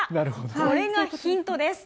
これがヒントです。